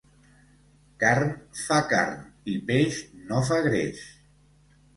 Carn fa carn i peix no fa greix.